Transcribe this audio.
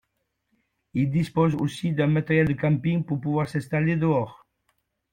Ils disposent aussi d’un matériel de camping pour pouvoir s’installer dehors.